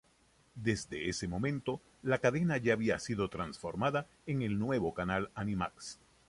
Desde ese momento la cadena ya había sido transformada en el nuevo canal Animax.